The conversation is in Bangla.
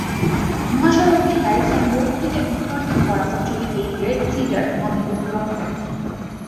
মহাসড়কটি হ্যারিসন রোড থেকে উত্তর দিক বরাবর চলে গিয়ে রেড সিডার নদী অতিক্রম করে।